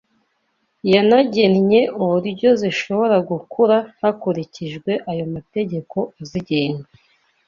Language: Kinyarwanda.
yanagennye uburyo zishobora gukura hakurikijwe ayo mategeko azigenga